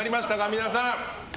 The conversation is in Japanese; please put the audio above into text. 皆さん。